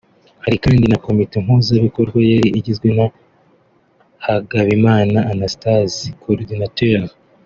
Hari kandi na Komite mpuzabikorwa yari igizwe na Hagabimana Anastase Coordinateur